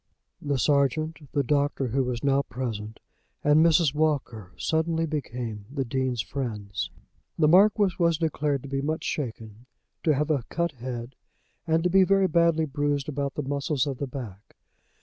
The sergeant, the doctor who was now present, and Mrs. Walker suddenly became the Dean's friends. The Marquis was declared to be much shaken, to have a cut head, and to be very badly bruised about the muscles of the back.